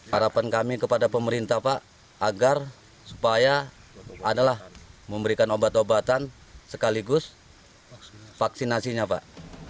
harapan kami kepada pemerintah pak agar supaya adalah memberikan obat obatan sekaligus vaksinasinya pak